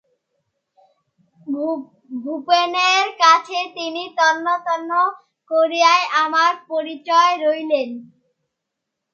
ভূপেনের কাছে তিনি তন্ন তন্ন করিয়া আমার পরিচয় লইলেন।